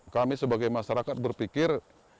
kami sebagai masyarakat berpikir